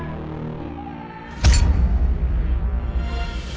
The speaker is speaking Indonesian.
jangan lupa pak